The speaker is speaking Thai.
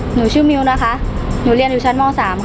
หนูชื่อมิวนะคะหนูเรียนอยู่ชั้นม๓ค่ะ